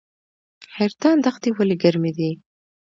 حیرتان دښتې ولې ګرمې دي؟